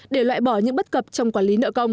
để loại bỏ những bất cập trong quản lý nợ công